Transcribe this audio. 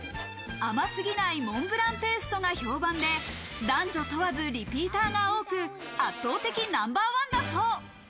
甘すぎないモンブランペーストが評判で男女問わずリピーターが多く、圧倒的ナンバーワンだそう。